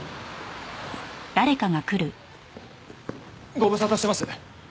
ご無沙汰してます！